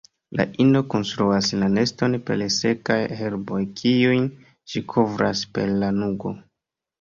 La ino konstruas la neston per sekaj herboj kiujn ŝi kovras per lanugo.